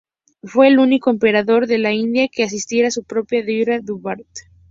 Fue el único emperador de la India en asistir a su propia "Delhi Durbar".